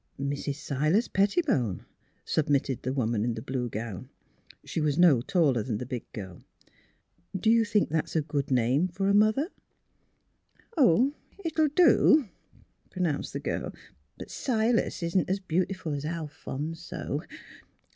"'' Mrs. Silas Pettibone," submitted the woman in the blue gown. She was no taller than the big girl. " Do you thin.k that is a good name for a mother? "'' It will do," pronounced the girl. '' But Silas is not so beautiful as Alphonso.